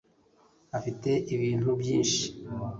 Afite ibintu byinshi